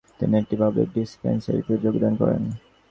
তিনি একটি পাবলিক ডিসপেনশারীতে যোগদান করেন।